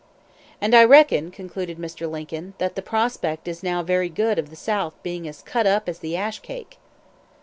"And, I reckon," concluded Mr. Lincoln, "that the prospect is now very good of the South being as cut up as the ash cake!"